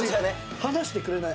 離してくれない。